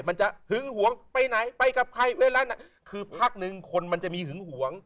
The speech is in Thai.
มันจะหึงหวงไปไหนไปกับใครเวลานั้นคือพักหนึ่งคนมันจะมีหึงหวง